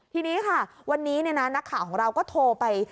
ทีนี้ค่ะวันนี้นักข่าวของเราก็โทรไป